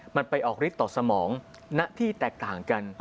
มันไปออกฤทธิ์ต่อสมองหน้าที่แตกต่างกัน